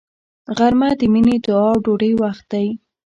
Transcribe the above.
غرمه د مینې، دعا او ډوډۍ وخت دی